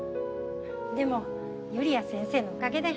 でも由莉耶先生のおかげで。